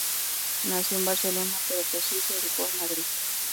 Nació en Barcelona, pero creció y se educó en Madrid.